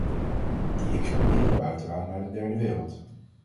Die exporteren we uiteraard naar de derde wereld.